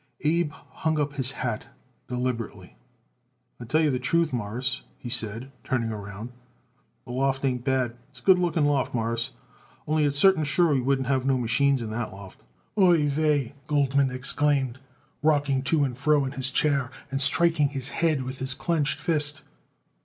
Abe hung up his hat deliberately. "I tell you the truth, Mawruss," he said, turning around, "the loft ain't bad. It's a good looking loft, Mawruss, only it's certain sure we couldn't have no machines in that loft." "Ai vai!" Goldman exclaimed, rocking to and fro in his chair and striking his head with his clenched fist.